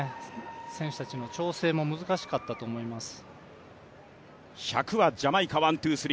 選手たちの調整も難しかったと思います。